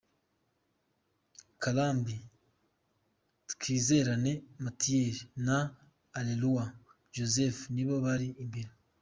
karambi, Twizerane Mathieu na Arerua Joseph nibo bari imbere.